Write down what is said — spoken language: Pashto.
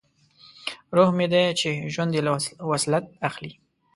روح مې دی چې ژوند یې له وصلت اخلي